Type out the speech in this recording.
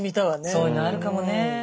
そういうのあるかもねえ。